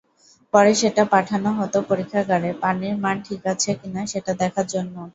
পরে সেটা পাঠানো হতো পরীক্ষাগারে পানির মান ঠিক আছে কিনা সেটা দেখার জন্য।